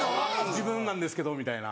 自分なんですけどみたいな。